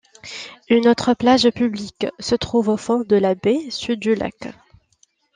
Une autre plage publique se trouve au fond de la baie sud du lac.